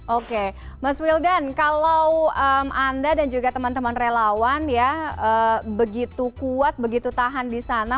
oke mas wildan kalau anda dan juga teman teman relawan ya begitu kuat begitu tahan di sana